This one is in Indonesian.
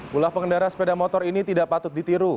pula pengendara sepeda motor ini tidak patut ditiru